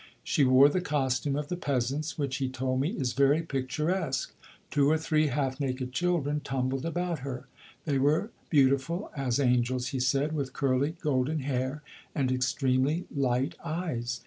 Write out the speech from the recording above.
She wore the costume of the peasants, which he told me is very picturesque. Two or three half naked children tumbled about her. They were beautiful as angels, he said, with curly golden hair and extremely light eyes.